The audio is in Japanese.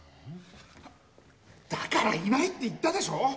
だからいないって言ったでしょ！